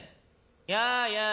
「やあやあ。